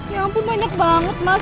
ya ampun banyak banget mas